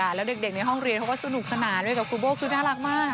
แล้วเด็กในห้องเรียนเขาก็สนุกสนานด้วยกับครูโบ้คือน่ารักมาก